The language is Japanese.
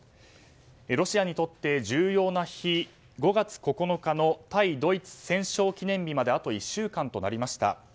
ロシアにとって重要な日５月９日の対ドイツ戦勝記念日まであと１週間となりました。